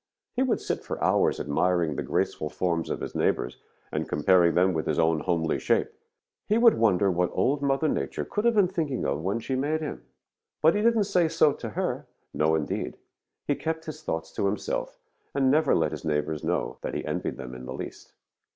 He would sit for hours admiring the graceful forms of his neighbors and comparing them with his own homely shape. He would wonder what Old Mother Nature could have been thinking of when she made him. "But he didn't say so to her. No, indeed! He kept his thoughts to himself and never let his neighbors know that he envied them in the least.